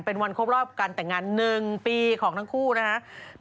เป็นวันครบรอบการแต่งงาน๑ปีของทั้งคู่นะครับ